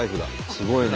すごいね。